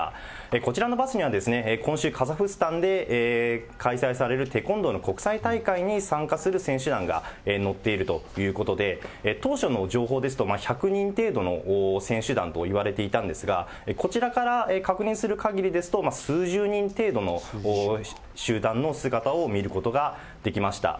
こちらのバスには今週、カザフスタンで開催されるテコンドーの国際大会に参加する選手団が乗っているということで、当初の情報ですと、１００人程度の選手団といわれていたんですが、こちらから確認するかぎりですと、数十人程度の集団の姿を見ることができました。